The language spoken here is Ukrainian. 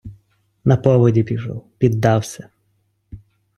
- На поводі пішов, піддався...